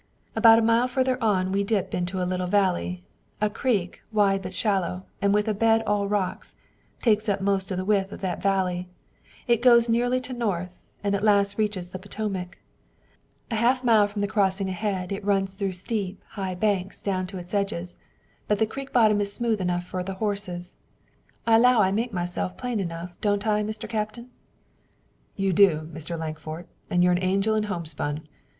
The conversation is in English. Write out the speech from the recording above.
"About a mile further on we dip into a little valley. A creek, wide but shallow and with a bed all rocks, takes up most of the width of that valley. It goes nearly to the north, and at last reaches the Potomac. A half mile from the crossin' ahead it runs through steep, high banks that come right down to its edges, but the creek bottom is smooth enough for the horses. I 'low I make myself plain enough, don't I, Mr. Captain?" "You do, Mr. Lankford, and you're an angel in homespun.